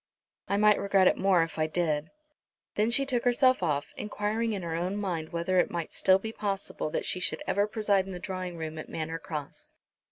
"I might regret it more if I did." Then she took herself off, enquiring in her own mind whether it might still be possible that she should ever preside in the drawing room at Manor Cross.